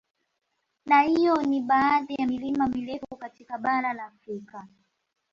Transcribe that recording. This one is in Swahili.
Na hiyo ni baadhi ya milima mirefu katika bara la Afrika